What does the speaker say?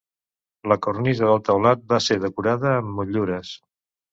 La cornisa del teulat va ser decorada amb motllures.